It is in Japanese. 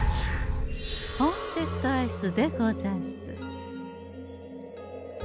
「ホーンテッドアイス」でござんす。